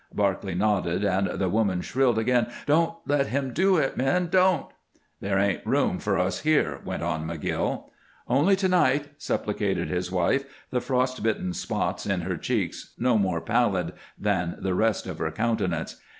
Barclay nodded, and the woman shrilled again: "Don't let him do it, men. Don't!" "There ain't room for us here," went on McGill. "Only to night," supplicated his wife, the frost bitten spots in her cheeks no more pallid than the rest of her countenance.